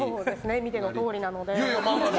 見てのとおりなので。